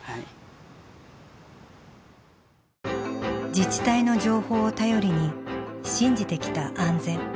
自治体の情報を頼りに信じてきた「安全」。